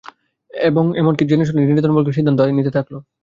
এবং এমনকি জেনেশুনে নির্যাতনমূলক সিদ্ধান্ত নিতে থাকল।